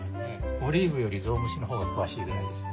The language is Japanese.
オリーブよりゾウムシの方が詳しいぐらいですね。